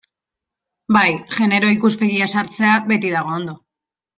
Bai, genero ikuspegia sartzea beti dago ondo.